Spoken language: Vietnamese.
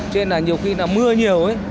cho nên là nhiều khi là mưa nhiều ấy